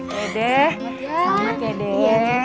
selamat ya deh